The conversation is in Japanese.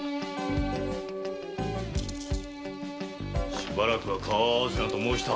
しばらくは顔を合わすなと申したはず。